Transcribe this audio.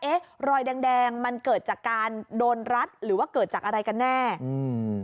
รอยแดงแดงมันเกิดจากการโดนรัดหรือว่าเกิดจากอะไรกันแน่อืม